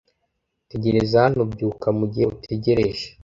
Tegereza hano byuka mugihe utegereje